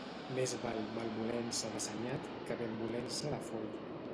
Més val malvolença d'assenyat que benvolença de foll.